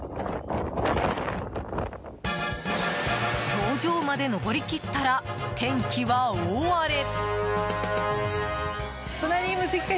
頂上まで登り切ったら天気は大荒れ。